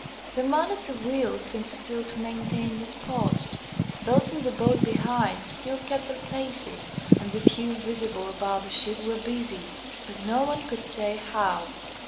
The man at the wheel seemed still to maintain his post; those in the boat behind still kept their places, and the few visible about the ship were busied, but no one could say how.